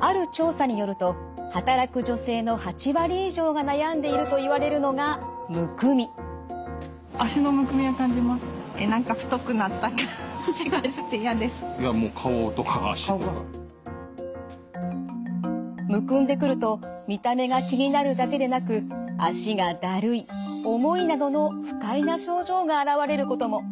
ある調査によると働く女性の８割以上が悩んでいるといわれるのがむくんでくると見た目が気になるだけでなく脚がだるい重いなどの不快な症状が現れることも。